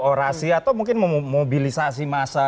orasi atau mungkin mobilisasi masa